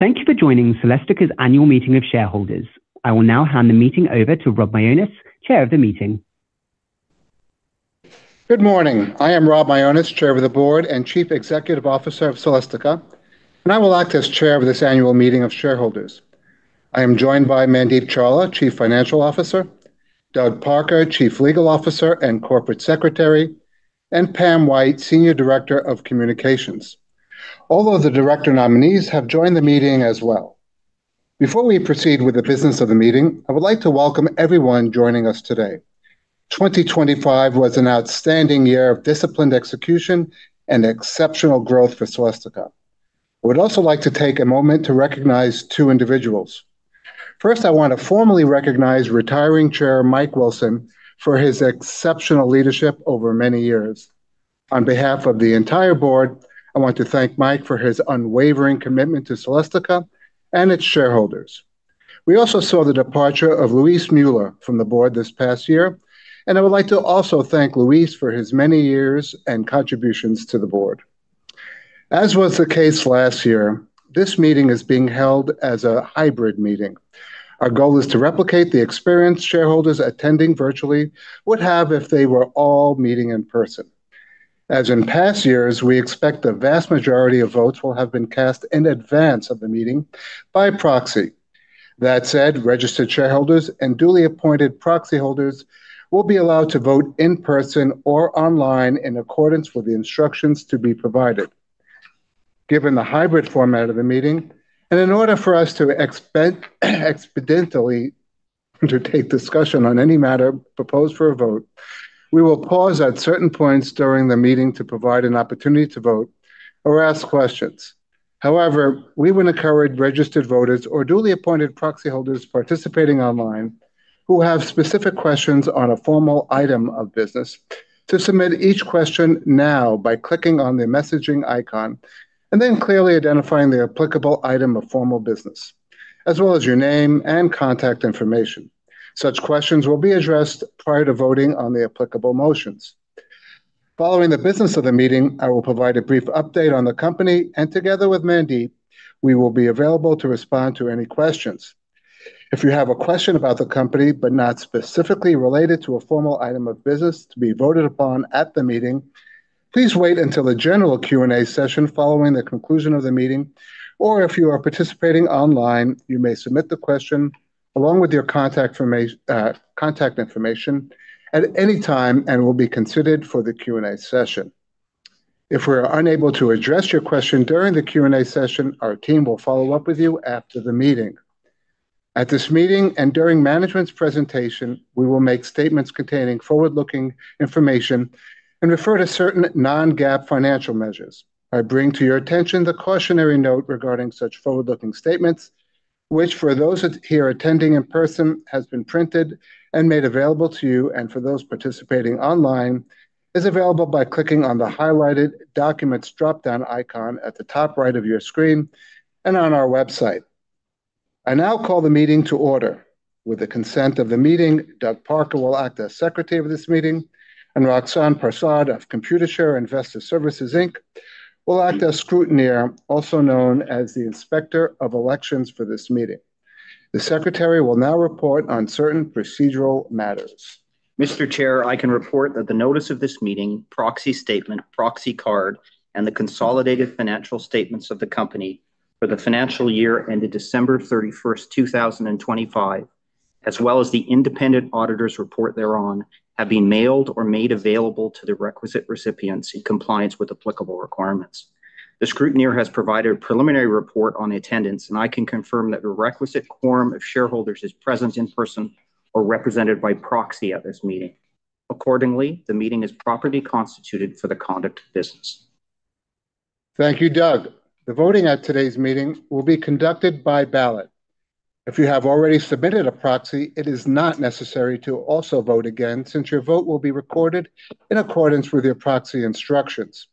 Thank you for joining Celestica's annual meeting of shareholders. I will now hand the meeting over to Rob Mionis, Chair of the meeting. Good morning. I am Rob Mionis, Chair of the Board and Chief Executive Officer of Celestica, and I will act as chair of this annual meeting of shareholders. I am joined by Mandeep Chawla, Chief Financial Officer, Doug Parker, Chief Legal Officer and Corporate Secretary, and Pam White, Senior Director of Communications. All of the director nominees have joined the meeting as well. Before we proceed with the business of the meeting, I would like to welcome everyone joining us today. 2025 was an outstanding year of disciplined execution and exceptional growth for Celestica. I would also like to take a moment to recognize two individuals. First, I want to formally recognize retiring Chair, Mike Wilson, for his exceptional leadership over many years. On behalf of the entire board, I want to thank Mike for his unwavering commitment to Celestica and its shareholders. We also saw the departure of Luis Müller from the board this past year, and I would like to also thank Luis for his many years and contributions to the board. As was the case last year, this meeting is being held as a hybrid meeting. Our goal is to replicate the experience shareholders attending virtually would have if they were all meeting in person. As in past years, we expect the vast majority of votes will have been cast in advance of the meeting by proxy. That said, registered shareholders and duly appointed proxy holders will be allowed to vote in person or online in accordance with the instructions to be provided. Given the hybrid format of the meeting, and in order for us to expediently undertake discussion on any matter proposed for a vote, we will pause at certain points during the meeting to provide an opportunity to vote or ask questions. However, we would encourage registered voters or duly appointed proxy holders participating online who have specific questions on a formal item of business to submit each question now by clicking on the messaging icon and then clearly identifying the applicable item of formal business, as well as your name and contact information. Such questions will be addressed prior to voting on the applicable motions. Following the business of the meeting, I will provide a brief update on the company, and together with Mandeep, we will be available to respond to any questions. If you have a question about the company, but not specifically related to a formal item of business to be voted upon at the meeting, please wait until the general Q&A session following the conclusion of the meeting, or if you are participating online, you may submit the question along with your contact information at any time and will be considered for the Q&A session. If we're unable to address your question during the Q&A session, our team will follow up with you after the meeting. At this meeting and during management's presentation, we will make statements containing forward-looking information and refer to certain non-GAAP financial measures. I bring to your attention the cautionary note regarding such forward-looking statements, which for those here attending in person, has been printed and made available to you and for those participating online, is available by clicking on the highlighted documents drop-down icon at the top right of your screen and on our website. I now call the meeting to order. With the consent of the meeting, Doug Parker will act as secretary of this meeting, and Roxanne Parsaud of Computershare Investor Services Inc will act as scrutineer, also known as the inspector of elections for this meeting. The secretary will now report on certain procedural matters. Mr. Chair, I can report that the notice of this meeting, proxy statement, proxy card, and the consolidated financial statements of the company for the financial year ended December 31st, 2025, as well as the independent auditor's report thereon, have been mailed or made available to the requisite recipients in compliance with applicable requirements. The scrutineer has provided a preliminary report on attendance, and I can confirm that the requisite quorum of shareholders is present in person or represented by proxy at this meeting. Accordingly, the meeting is properly constituted for the conduct of business. Thank you, Doug. The voting at today's meeting will be conducted by ballot. If you have already submitted a proxy, it is not necessary to also vote again since your vote will be recorded in accordance with your proxy instructions.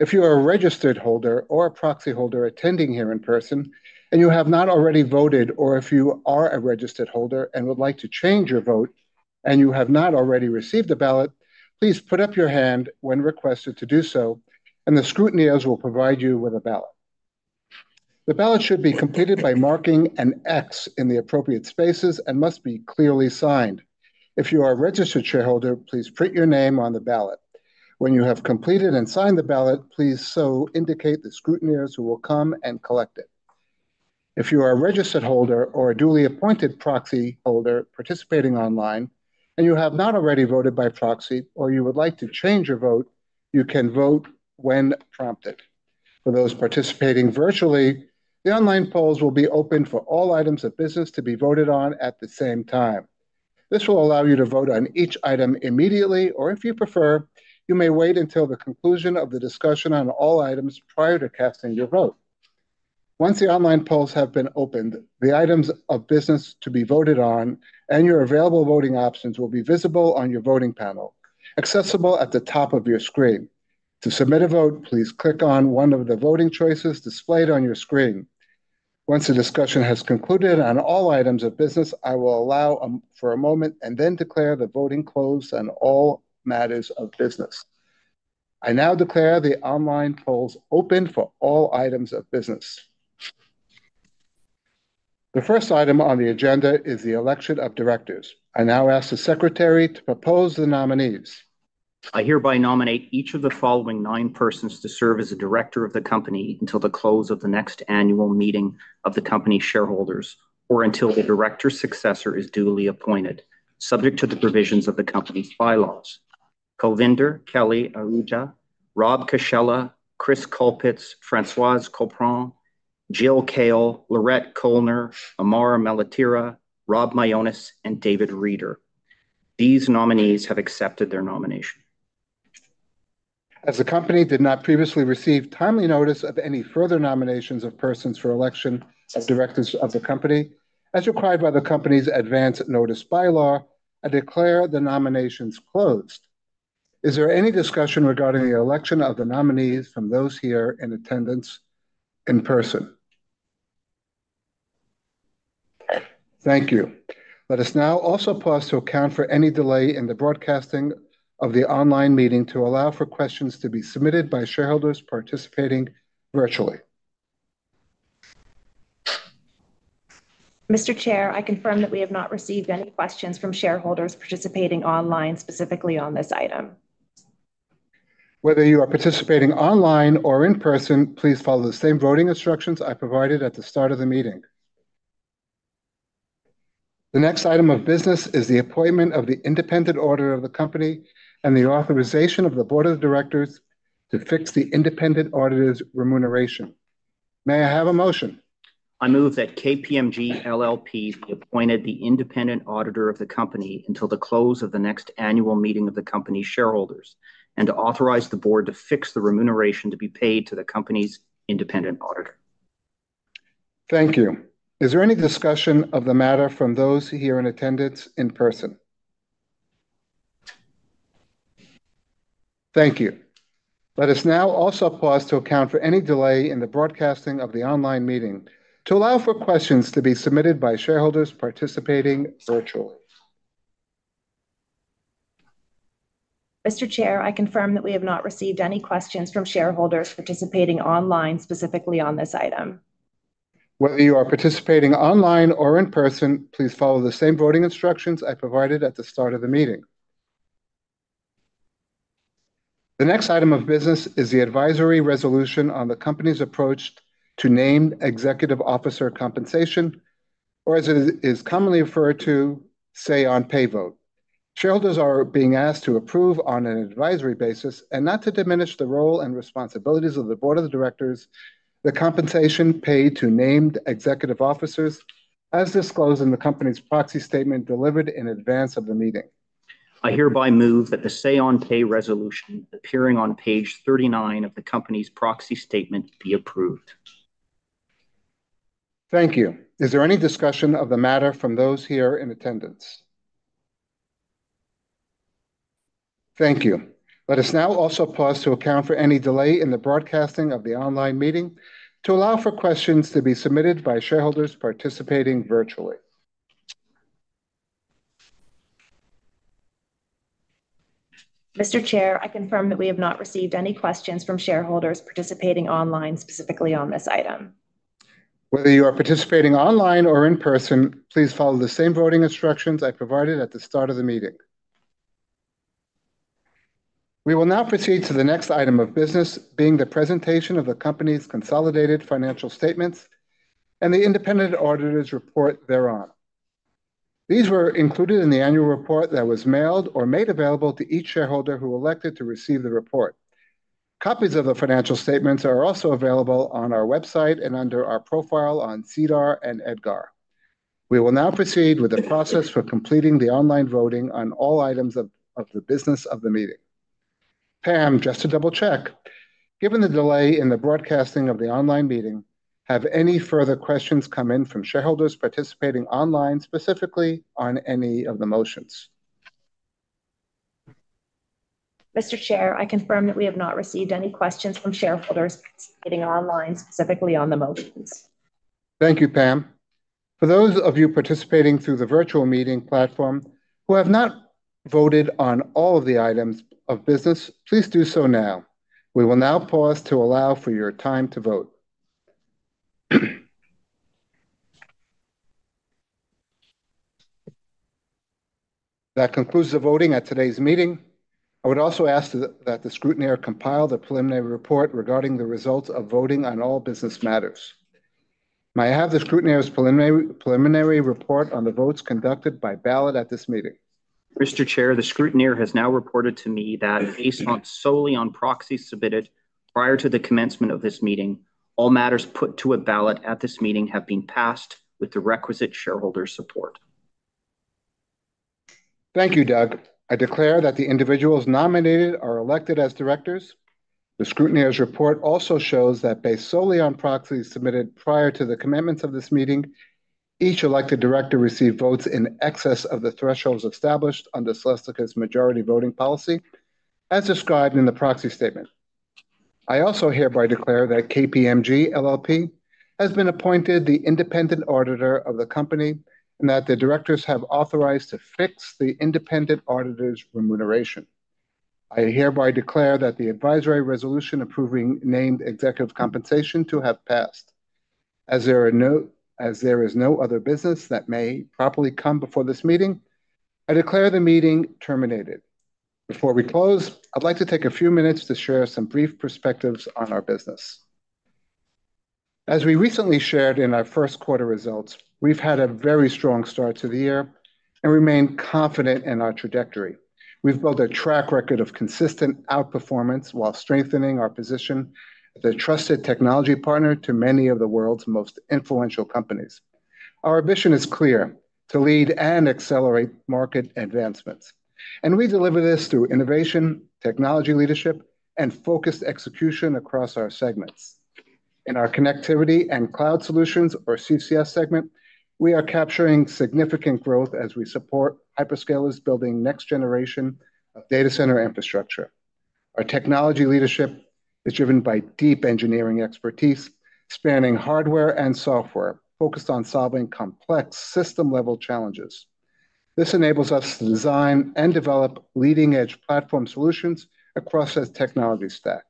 If you are a registered holder or a proxy holder attending here in person and you have not already voted or if you are a registered holder and would like to change your vote and you have not already received a ballot, please put up your hand when requested to do so, and the scrutineers will provide you with a ballot. The ballot should be completed by marking an x in the appropriate spaces and must be clearly signed. If you are a registered shareholder, please print your name on the ballot. When you have completed and signed the ballot, please so indicate the scrutineers who will come and collect it. If you are a registered holder or a duly appointed proxy holder participating online, and you have not already voted by proxy, or you would like to change your vote, you can vote when prompted. For those participating virtually, the online polls will be open for all items of business to be voted on at the same time. This will allow you to vote on each item immediately, or if you prefer, you may wait until the conclusion of the discussion on all items prior to casting your vote. Once the online polls have been opened, the items of business to be voted on and your available voting options will be visible on your voting panel, accessible at the top of your screen. To submit a vote, please click on one of the voting choices displayed on your screen. Once the discussion has concluded on all items of business, I will allow for a moment and then declare the voting closed on all matters of business. I now declare the online polls open for all items of business. The first item on the agenda is the election of directors. I now ask the secretary to propose the nominees. I hereby nominate each of the following nine persons to serve as a director of the company until the close of the next annual meeting of the company shareholders, or until the director successor is duly appointed, subject to the provisions of the company's bylaws. Kelly Ahuja, Robert Cascella, Chris Colpitts, Françoise Colpron, Jill Kale, Laurette Koellner, Amar Maletira, Rob Mionis, and David Reeder. These nominees have accepted their nomination. As the company did not previously receive timely notice of any further nominations of persons for election as directors of the company, as required by the company's advance notice bylaw, I declare the nominations closed. Is there any discussion regarding the election of the nominees from those here in attendance in person? Thank you. Let us now also pause to account for any delay in the broadcasting of the online meeting to allow for questions to be submitted by shareholders participating virtually. Mr. Chair, I confirm that we have not received any questions from shareholders participating online specifically on this item. Whether you are participating online or in person, please follow the same voting instructions I provided at the start of the meeting. The next item of business is the appointment of the independent auditor of the company and the authorization of the board of directors to fix the independent auditor's remuneration. May I have a motion? I move that KPMG LLP be appointed the independent auditor of the company until the close of the next annual meeting of the company shareholders, and to authorize the board to fix the remuneration to be paid to the company's independent auditor. Thank you. Is there any discussion of the matter from those here in attendance in person? Thank you. Let us now also pause to account for any delay in the broadcasting of the online meeting to allow for questions to be submitted by shareholders participating virtually. Mr. Chair, I confirm that we have not received any questions from shareholders participating online specifically on this item. Whether you are participating online or in person, please follow the same voting instructions I provided at the start of the meeting. The next item of business is the advisory resolution on the company's approach to named executive officer compensation, or as it is commonly referred to, say-on-pay vote. Shareholders are being asked to approve on an advisory basis, and not to diminish the role and responsibilities of the Board of Directors, the compensation paid to named executive officers as disclosed in the company's proxy statement delivered in advance of the meeting. I hereby move that the say-on-pay resolution appearing on page 39 of the company's proxy statement be approved. Thank you. Is there any discussion of the matter from those here in attendance? Thank you. Let us now also pause to account for any delay in the broadcasting of the online meeting to allow for questions to be submitted by shareholders participating virtually. Mr. Chair, I confirm that we have not received any questions from shareholders participating online specifically on this item. Whether you are participating online or in person, please follow the same voting instructions I provided at the start of the meeting. We will now proceed to the next item of business, being the presentation of the company's consolidated financial statements and the independent auditor's report thereon. These were included in the annual report that was mailed or made available to each shareholder who elected to receive the report. Copies of the financial statements are also available on our website and under our profile on SEDAR+ and EDGAR. We will now proceed with the process for completing the online voting on all items of the business of the meeting. Pam, just to double-check, given the delay in the broadcasting of the online meeting, have any further questions come in from shareholders participating online specifically on any of the motions? Mr. Chair, I confirm that we have not received any questions from shareholders participating online specifically on the motions. Thank you, Pam. For those of you participating through the virtual meeting platform who have not voted on all of the items of business, please do so now. We will now pause to allow for your time to vote. That concludes the voting at today's meeting. I would also ask that the scrutineer compile the preliminary report regarding the results of voting on all business matters. May I have the scrutineer's preliminary report on the votes conducted by ballot at this meeting? Mr. Chair, the scrutineer has now reported to me that based on, solely on proxies submitted prior to the commencement of this meeting, all matters put to a ballot at this meeting have been passed with the requisite shareholder support. Thank you, Doug. I declare that the individuals nominated are elected as directors. The scrutineer's report also shows that based solely on proxies submitted prior to the commencement of this meeting, each elected director received votes in excess of the thresholds established under Celestica's majority voting policy as described in the proxy statement. I also hereby declare that KPMG LLP has been appointed the independent auditor of the company and that the directors have authorized to fix the independent auditor's remuneration. I hereby declare that the advisory resolution approving named executive compensation to have passed. As there is no other business that may properly come before this meeting, I declare the meeting terminated. Before we close, I'd like to take a few minutes to share some brief perspectives on our business. As we recently shared in our first quarter results, we've had a very strong start to the year and remain confident in our trajectory. We've built a track record of consistent outperformance while strengthening our position as a trusted technology partner to many of the world's most influential companies. Our vision is clear: to lead and accelerate market advancements. We deliver this through innovation, technology leadership, and focused execution across our segments. In our Connectivity and Cloud Solutions or CCS segment, we are capturing significant growth as we support hyperscalers building next generation data center infrastructure. Our technology leadership is driven by deep engineering expertise, spanning hardware and software, focused on solving complex system-level challenges. This enables us to design and develop leading-edge platform solutions across the technology stack.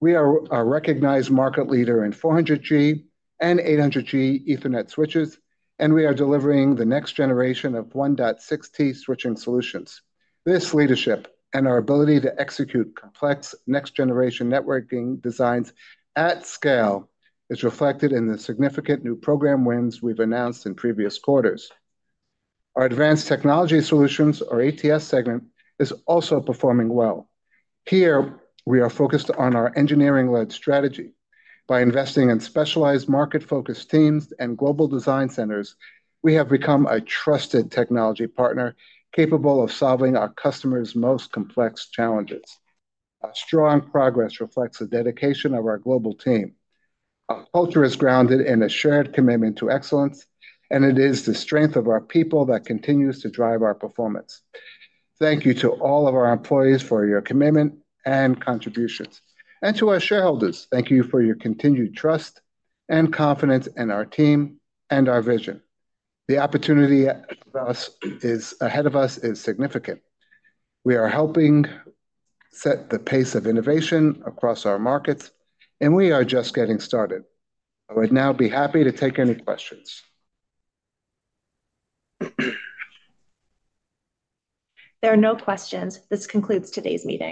We are a recognized market leader in 400G and 800G ethernet switches, and we are delivering the next generation of 1.6T switching solutions. This leadership and our ability to execute complex next-generation networking designs at scale is reflected in the significant new program wins we've announced in previous quarters. Our Advanced Technology Solutions or ATS segment is also performing well. Here, we are focused on our engineering-led strategy. By investing in specialized market-focused teams and global design centers, we have become a trusted technology partner capable of solving our customers' most complex challenges. Our strong progress reflects the dedication of our global team. Our culture is grounded in a shared commitment to excellence, and it is the strength of our people that continues to drive our performance. Thank you to all of our employees for your commitment and contributions. To our shareholders, thank you for your continued trust and confidence in our team and our vision. The opportunity ahead of us is significant. We are helping set the pace of innovation across our markets. We are just getting started. I would now be happy to take any questions. There are no questions. This concludes today's meeting.